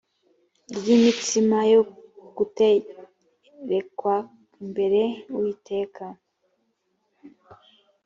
iry imitsima yo guterekwa imbere y uwiteka